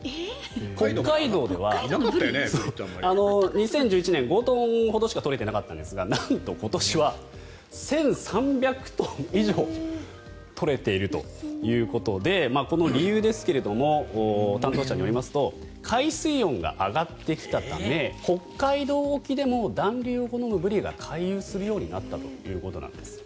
北海道では２０１１年、５トンほどしか取れてなかったんですがなんと今年は１３００トン以上取れているということでこの理由ですが担当者によりますと海水温が上がってきたため北海道沖でも暖流を好むブリが回遊するようになったということです。